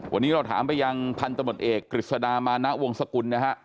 วันนี้เราถามไปยังพันธมตเอกกฤษดามานะวงสกุลนะฮะ